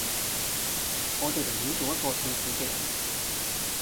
我地寧願做一個痛苦既人